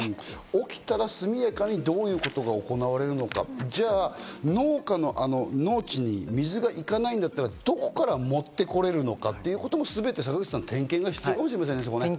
起きたら速やかにどういうことが行われるのか、じゃあ農家の農地に水がいかないんだったらどこから持ってこれるのかということも、点検が必要かもしれませんね、坂口さん。